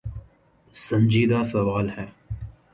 سنجیدہ سوال ہے۔